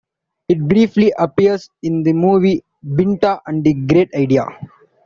It briefly appears in the movie Binta and the Great Idea.